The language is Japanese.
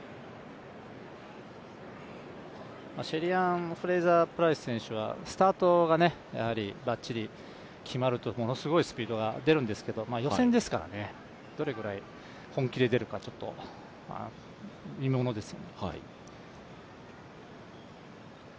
シェリーアン・フレイザー・プライス選手はスタートがばっちり決まるとものすごいスピードが出るんですけど、予選ですから、どれぐらい本気で出るかちょっと見ものです。